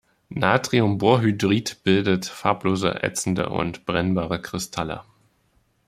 Natriumborhydrid bildet farblose, ätzende und brennbare Kristalle.